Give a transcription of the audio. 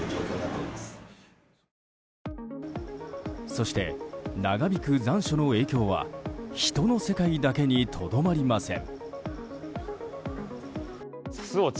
そして、長引く残暑の影響は人の世界だけにとどまりません。